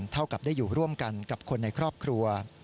เท่ากับได้อยู่ร่วมกันกับคนในครอบครัว